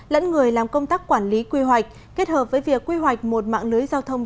lẫn người làm công tác quản lý quy hoạch kết hợp với việc quy hoạch một mạng lưới giao thông